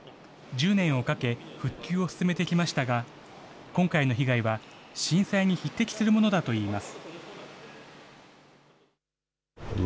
１０年をかけ、復旧を進めてきましたが、今回の被害は、震災に匹敵するものだといいます。